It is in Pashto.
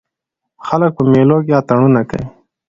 خلک په مېلو کښي اتڼونه کوي.